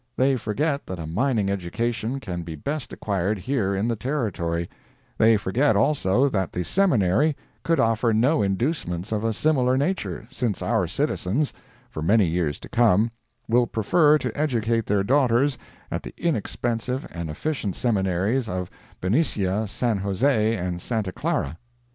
They forget that a mining education can be best acquired here in the Territory—they forget, also, that the Seminary could offer no inducements of a similar nature, since our citizens, for many years to come, will prefer to educate their daughters at the inexpensive and efficient seminaries of Benicia, San Jose, and Santa Clara.